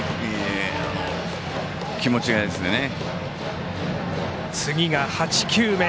気持ちがいいですよね。